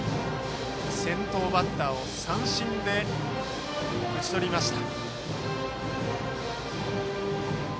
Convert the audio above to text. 先頭バッターを三振で打ち取りました。